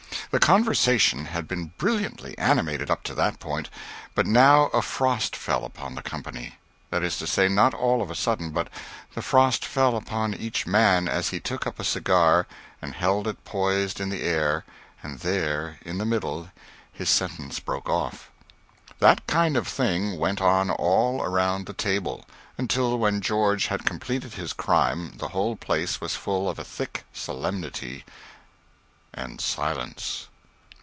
The conversation had been brilliantly animated up to that moment but now a frost fell upon the company. That is to say, not all of a sudden, but the frost fell upon each man as he took up a cigar and held it poised in the air and there, in the middle, his sentence broke off. That kind of thing went on all around the table, until when George had completed his crime the whole place was full of a thick solemnity and silence.